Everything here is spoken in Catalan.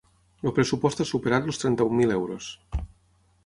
Lel pressupost ha superat els trenta-un mil euros.